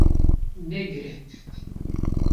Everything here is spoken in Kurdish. Negire